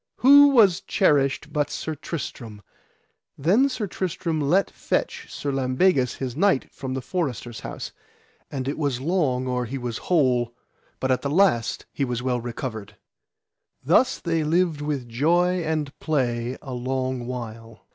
Who was cherished but Sir Tristram! Then Sir Tristram let fetch Sir Lambegus, his knight, from the forester's house, and it was long or he was whole, but at the last he was well recovered. Thus they lived with joy and play a long while.